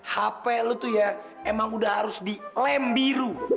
hp lu tuh ya emang udah harus di lem biru